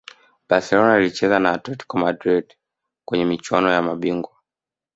Barcelona ilicheza na Atletico Madrid kwenye michuano ya mabingwa